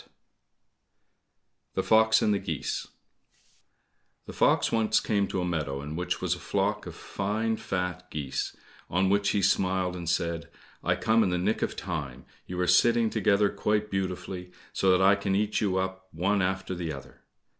86 The Fox and the Geese The fox once came to a meadow in which was a flock of fine fat geese, on which he smiled and said, "I come in the nick of time, you are sitting together quite beautifully, so that I can eat you up one after the other."